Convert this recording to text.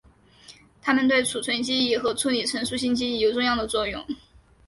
它们对储存记忆和处理陈述性记忆有重要的作用。